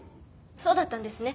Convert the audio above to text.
そうだったんですね。